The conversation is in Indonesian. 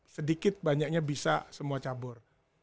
sedikit banyaknya bisa semua cabur